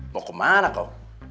mau kemana kok